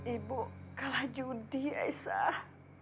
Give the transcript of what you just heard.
ibu kalah judi aisyah